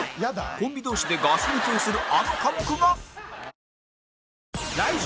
コンビ同士でガス抜きをするあの科目が！